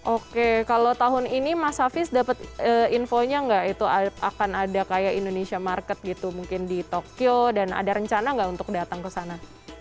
oke kalau tahun ini mas hafiz dapat infonya nggak itu akan ada kayak indonesia market gitu mungkin di tokyo dan ada rencana nggak untuk datang ke sana